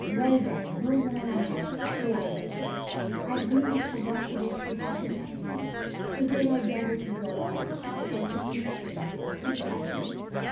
" Well then, no more I have n't, so I declare! I Ve been and forgot to wish you happy, my deary, so here I does it with all my heart, " and she kissed Jeanne emphatically.